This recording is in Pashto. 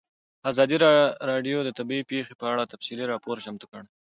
ازادي راډیو د طبیعي پېښې په اړه تفصیلي راپور چمتو کړی.